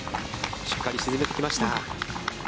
しっかり沈めてきました。